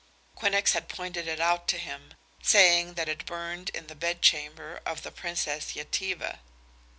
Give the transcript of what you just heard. Quinnox had pointed it out to him, saying that it burned in the bedchamber of the Princes Yetive.